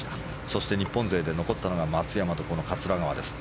そして日本勢で残ったのが松山と桂川です。